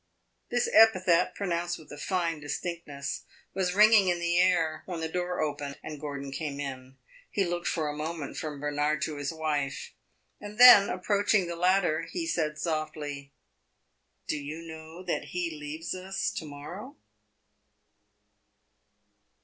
This epithet, pronounced with a fine distinctness, was ringing in the air when the door opened and Gordon came in. He looked for a moment from Bernard to his wife, and then, approaching the latter, he said, softly "Do you know that he leaves us to morrow?"